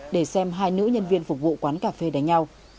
để xem hai nữ nhân viên phục vụ quán cà phê đánh nhau